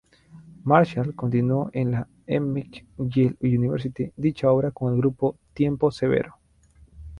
Marshall continuó en la McGill University dicha obra con el "Grupo Tiempo Severo".